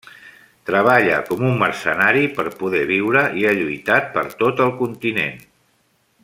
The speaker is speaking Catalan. Treballa com un mercenari per poder viure i ha lluitat per tot el continent.